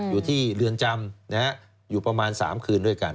อยู่ที่เรือนจำอยู่ประมาณ๓คืนด้วยกัน